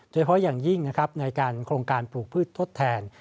โดยเฉพาะอย่างยิ่งในการโครงการปลูกพืชทดแทน